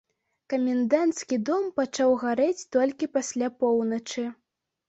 Каменданцкі дом пачаў гарэць толькі пасля поўначы.